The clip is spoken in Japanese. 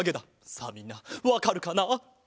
さあみんなわかるかな？